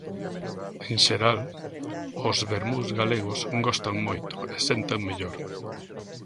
En xeral, os vermús galegos gostan moito e sentan mellor.